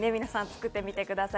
作ってみてください。